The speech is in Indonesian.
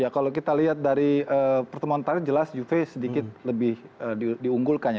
kalau kita lihat dari pertemuan tadi jelas juve sedikit lebih diunggulkannya